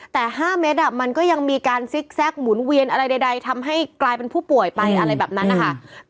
แต่๕เมตรมันก็ยังมีการซิกแก๊กหมุนเวียนอะไรใดทำให้กลายเป็นผู้ป่วยไปอะไรแบบนั้นนะคะ